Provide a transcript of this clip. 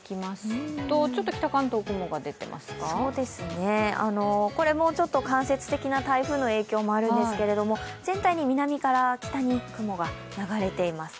そうですね、もうちょっと間接的な台風の影響もあるんですけれども全体に南から北に雲が流れています。